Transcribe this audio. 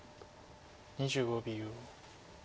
２５秒。